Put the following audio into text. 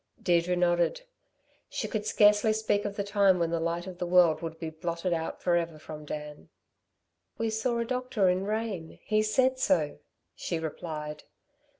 Deirdre nodded. She could scarcely speak of the time when the light of the world would be blotted out for ever from Dan. "We saw a doctor in Rane. He said so," she replied.